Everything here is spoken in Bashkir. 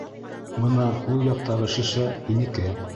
Бына, һул яҡтағы шешә -һинеке.